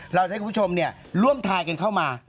เราจะให้คุณผู้ชมร่วมทายกันเข้ามา